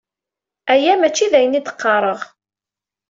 Aya mačči d ayen i d-qqaṛeɣ.